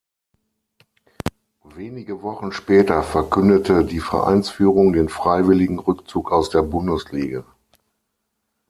Wenige Wochen später verkündete die Vereinsführung den freiwilligen Rückzug aus der Bundesliga.